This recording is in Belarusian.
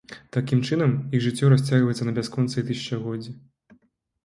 Такім чынам, іх жыццё расцягваецца на бясконцыя тысячагоддзі.